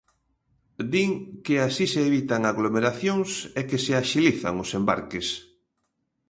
Din que así se evitan aglomeracións e que se axilizan os embarques.